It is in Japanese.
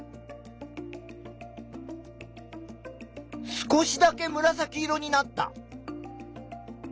少しだけむらさき色になった。